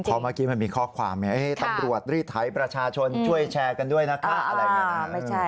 เมื่อกี้มันมีข้อความตำรวจรีดไถประชาชนช่วยแชร์กันด้วยนะคะ